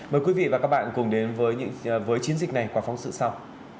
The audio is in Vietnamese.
mời quý vị và các bạn cùng đến với chiến dịch này qua phóng sự sau